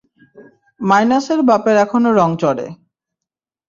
মাইনাসের বাপের এখনো রঙ চড়ে।